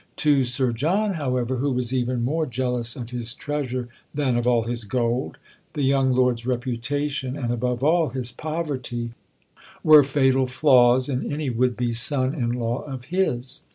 To Sir John, however, who was even more jealous of his treasure than of all his gold, the young lord's reputation and, above all, his poverty were fatal flaws in any would be son in law of his.